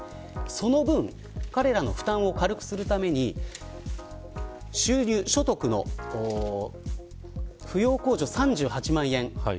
その分、彼らの負担を軽くするために収入所得の扶養控除３８万円。